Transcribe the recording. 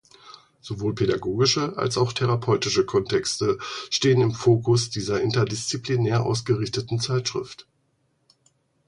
Sowohl pädagogische als auch therapeutische Kontexte stehen im Fokus dieser interdisziplinär ausgerichteten Zeitschrift.